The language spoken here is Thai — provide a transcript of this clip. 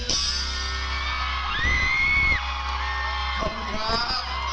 ขอบคุณครับ